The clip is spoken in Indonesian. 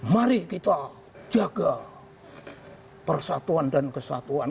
mari kita jaga persatuan dan kesatuan